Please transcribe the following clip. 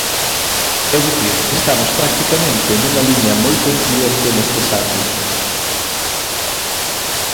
É dicir, estamos practicamente nunca liña moi coincidente nestes ámbitos.